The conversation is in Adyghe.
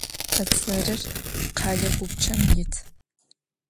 Bedzerır khele gupçem yit.